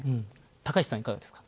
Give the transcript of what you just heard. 高市さん、いかがですか？